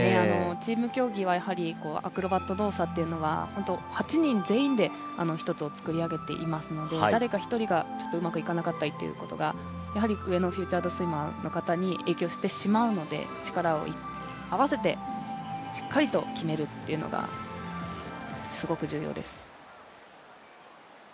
チーム競技はアクロバット動作というのは本当８人全員で一つを作り上げていますので誰か一人がうまくいかなかったりというのがやはり上のフィーチャードスイマーの方に影響してしまうので力を合わせてしっかりと決めるというのがすごく重要です。